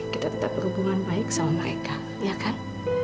kita tetap berhubungan baik sama mereka ya kan